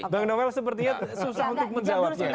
bang noel sepertinya susah untuk menjawab